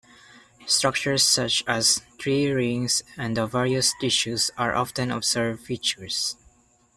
Structures such as tree rings and the various tissues are often observed features.